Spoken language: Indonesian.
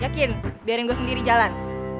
yakin biarin gue sendiri jalan